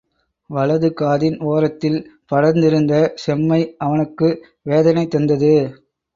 வலது காதின் ஒரத்தில் படர்ந்திருந்த செம்மை அவனுக்கு வேதனை தந்தது.